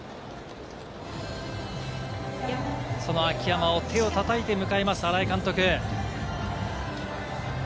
その秋山を手を叩いて迎えます、新井監督。